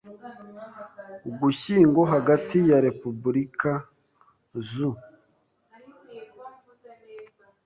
Ugushyingo hagati ya Repubulika z u